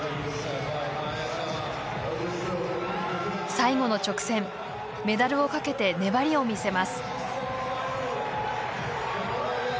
最後の直線メダルをかけて粘りを見せます。